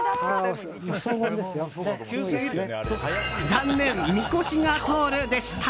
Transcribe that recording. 残念、みこしが通るでした。